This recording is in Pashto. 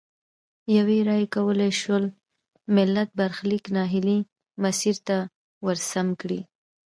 یوي رایې کولای سول ملت برخلیک نا هیلي مسیر ته ورسم کړي.